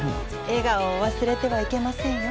笑顔を忘れてはいけませんよ。